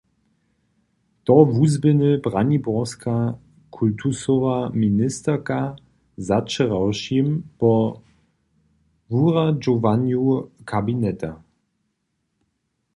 To wuzběhny braniborska kultusowa ministerka zawčerawšim po wuradźowanju kabineta.